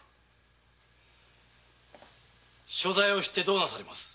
所在を知ってどうなされます？